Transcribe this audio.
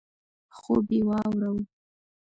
خوب یې واوره.